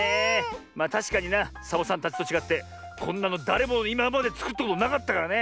まあたしかになサボさんたちとちがってこんなのだれもいままでつくったことなかったからね。